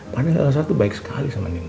padahal elsa tuh baik sekali sama nino